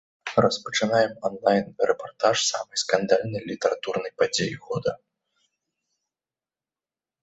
Распачынаем анлайн-рэпартаж самай скандальнай літаратурнай падзеі года.